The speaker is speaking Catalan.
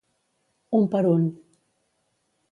Un per un.